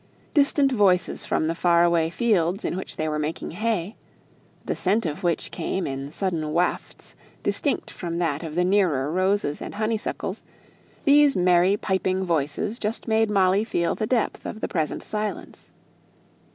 Distant voices from the far away fields where they were making hay the scent of which came in sudden wafts distinct from that of the nearer roses and honeysuckles these merry piping voices just made Molly feel the depth of the present silence.